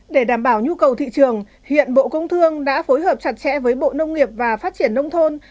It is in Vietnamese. để đảm bảo nhu cầu thị trường hiện bộ công thương đã phối hợp chặt chẽ với bộ nông nghiệp và phát triển nông thôn